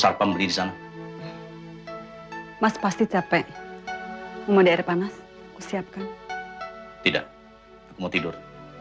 sampai beli sana mas pasti capek mau daerah panas siapkan tidak mau tidur